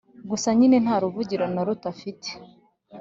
gusa nyine nta ruvugiro na ruto afite